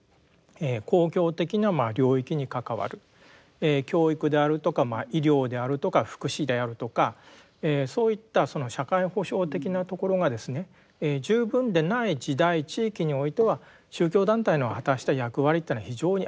公共的な領域に関わる教育であるとかまあ医療であるとか福祉であるとかそういったその社会保障的なところが十分でない時代・地域においては宗教団体の果たした役割というのは非常にあったと思うんですね。